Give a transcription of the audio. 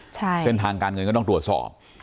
เส้นทางการเงินก็ต้องตรวจสอบ